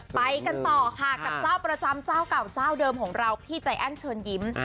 ไปกันต่อค่ะกับเจ้าประจำเจ้าเก่าเจ้าเดิมของเราพี่ใจแอ้นเชิญยิ้ม